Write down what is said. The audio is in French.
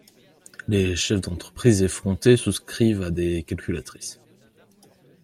Les chefs d'entreprise effrontés souscrivent à des calculatrices.